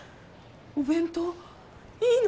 お弁当？いいの！？